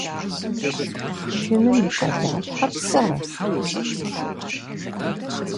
Чыным и къалащхьэр пщӏэрэ?